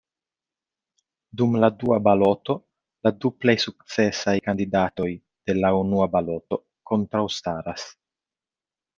Dum la dua baloto la du plej sukcesaj kandidatoj de la unua baloto kontraŭstaras.